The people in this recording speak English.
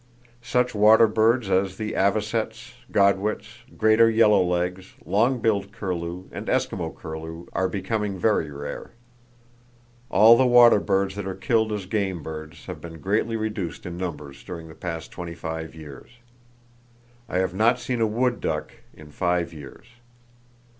Such water birds as the avocets, godwits, greater yellow legs, long billed curlew and Eskimo curlew are becoming very rare. All the water birds that are killed as game birds have been greatly reduced in numbers during the past 25 years. I have not seen a wood duck in 5 years.